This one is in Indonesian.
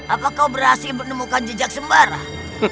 apakah kau berhasil menemukan jejak sembarang